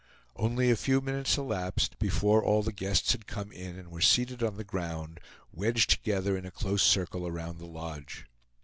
Only a few minutes elapsed before all the guests had come in and were seated on the ground, wedged together in a close circle around the lodge.